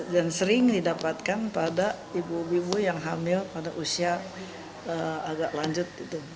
dan sering didapatkan pada ibu ibu yang hamil pada usia agak lanjut